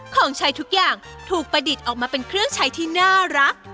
ของใช้ทุกอย่างถูกประดิษฐ์ออกมาเป็นเครื่องใช้ที่น่ารัก